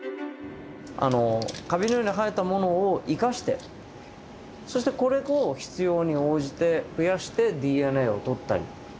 あのカビのように生えたものを生かしてそしてこれを必要に応じて増やしてＤＮＡをとったり。